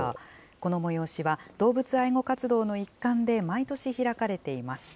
この催しは、動物愛護活動の一環で毎年開かれています。